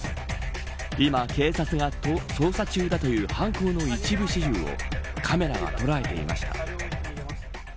今、警察が捜査中だという犯行の一部始終をカメラが捉えていました。